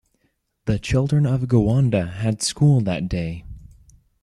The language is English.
The children of Gowanda had school that day.